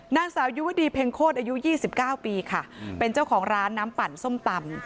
นางสาวยุวดีเพ็งโคตรอายุ๒๙ปีค่ะเป็นเจ้าของร้านน้ำปั่นส้มตำ